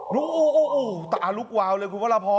โอ้โหตาลุกวาวเลยคุณพระราพร